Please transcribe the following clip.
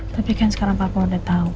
tapi kan sekarang papa udah tau pa